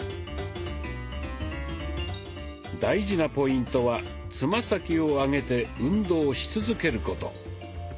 大事なポイントはつま先を上げて運動し続けること。